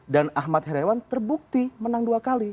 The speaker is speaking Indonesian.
dan ahmad heriawan terbukti menang dua kali